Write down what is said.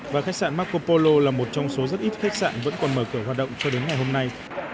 và khách sạn macompolo là một trong số rất ít khách sạn vẫn còn mở cửa hoạt động cho đến ngày hôm nay